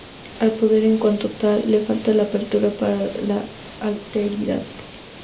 Al poder en cuanto tal le falta la apertura para la alteridad.